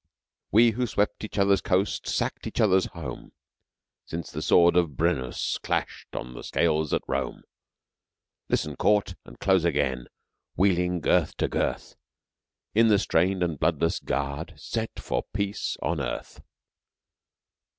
We who swept each other's coast, sacked each other's home, Since the sword of Brennus clashed on the scales at Rome, Listen, court and close again, wheeling girth to girth, In the strained and bloodless guard set for peace on earth.